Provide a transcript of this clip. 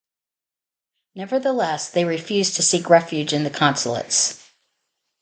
Nevertheless, they refused to seek refuge in the consulates.